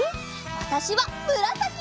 わたしはむらさき！